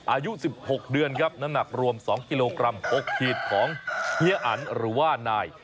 อายุ๑๖เดือนครับน้ำหนักรวม๒กิโลกรัม๖ขีดของเฮียอันหรือว่านาย